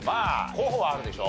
候補はあるでしょ。